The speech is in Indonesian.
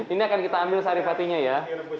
ini akan kita ambil sari patinya ya